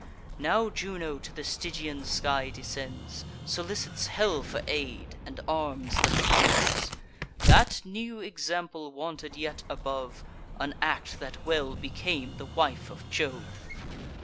Now Juno to the Stygian sky descends, Solicits hell for aid, and arms the fiends. That new example wanted yet above: An act that well became the wife of Jove!